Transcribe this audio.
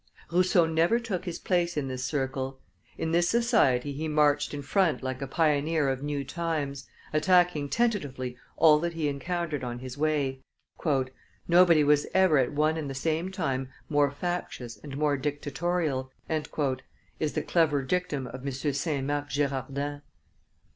Rousseau never took his place in this circle; in this society he marched in front like a pioneer of new times, attacking tentatively all that he encountered on his way. "Nobody was ever at one and the same time more factious and more dictatorial," is the clever dictum of M. Saint Marc Girardin.